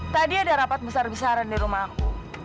tadi ada rapat besar besaran di rumah aku